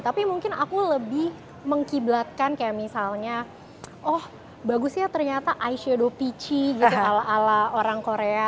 tapi mungkin aku lebih mengkiblatkan kayak misalnya oh bagus ya ternyata eye shadow peachy gitu ala ala orang korea